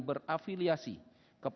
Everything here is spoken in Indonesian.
berpikir yang tidak bisa diperlukan